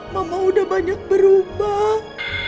mama udah banyak berubah